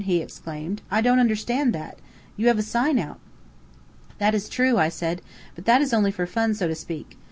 he exclaimed. "I don't understand that. You have a sign out." "That is true," I said; "but that is only for fun, so to speak.